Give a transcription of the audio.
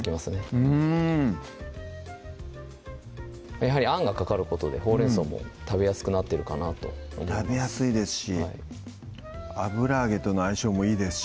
やはりあんがかかることでほうれん草も食べやすくなってるかなと食べやすいですし油揚げとの相性もいいですし